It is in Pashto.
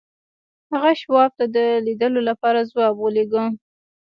هغه شواب ته د لیدلو لپاره ځواب ولېږه